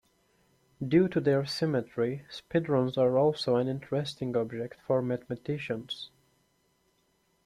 Due to their symmetry Spidrons are also an interesting object for mathematicians.